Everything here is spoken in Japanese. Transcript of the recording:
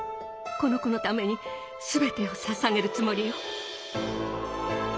この子のために全てをささげるつもりよ。